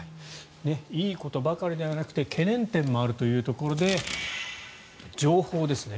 いいことばかりではなくて懸念点もあるというところで情報ですね。